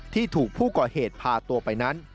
ที่ถูกผู้ก่อเหตุพาตัวไปนั้น